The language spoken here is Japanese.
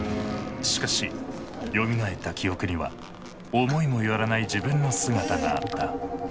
しかしよみがえった記憶には思いも寄らない自分の姿があった。